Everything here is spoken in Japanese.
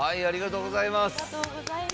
ありがとうございます！